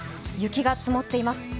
雪が積もっています